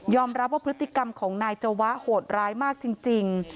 รับว่าพฤติกรรมของนายจวะโหดร้ายมากจริง